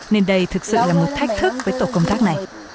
nên đây thực sự là một thách thức với tổ công tác này